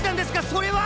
それは！